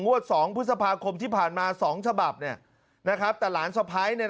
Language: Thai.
๒พฤษภาคมที่ผ่านมา๒ฉบับแต่หลานสะพ้าย